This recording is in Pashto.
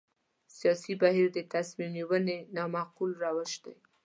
سیاسي بهیر د تصمیم نیونې نامعقول روش دی.